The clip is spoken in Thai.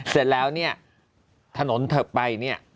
เสร็จแล้วเนี่ยถนนเถิบไปเนี่ย